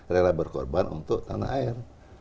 rela berkorban untuk tanah air